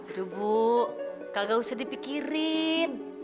aduh bu kagak usah dipikirin